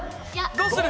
どうする？